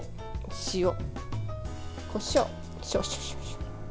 塩、こしょう少々。